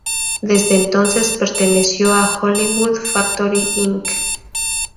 Desde entonces, perteneció a Hollywood Factory Inc.